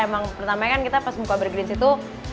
emang pertama kan kita pas buka burgreens itu